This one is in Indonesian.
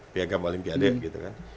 piagam olympiade gitu kan